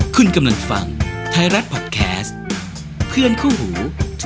คุณกำลังฟังไทยรัฐพอดแคสต์เพื่อนคู่หู